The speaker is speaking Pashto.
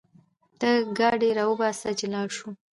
ته ګاډی راوباسه چې لاړ شو